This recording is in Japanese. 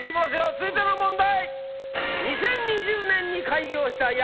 続いての問題。